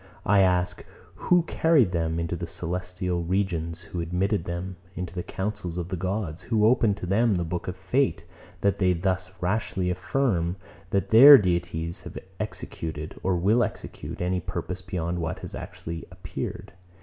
I ask; who carried them into the celestial regions, who admitted them into the councils of the gods, who opened to them the book of fate, that they thus rashly affirm, that their deities have executed, or will execute, any purpose beyond what has actually appeared?